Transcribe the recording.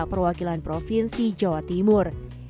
perwakilan provinsi jawa timur